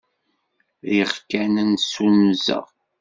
Riɣ kan ad t-nessunzeɣ.